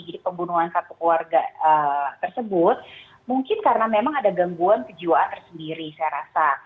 jadi pembunuhan satu keluarga tersebut mungkin karena memang ada gangguan kejiwaan tersendiri saya rasa